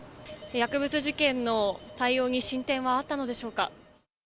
薬物事件の対応に進展はあったのでしょうか。